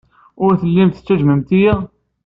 Ur tellimt tettejjmemt-iyi.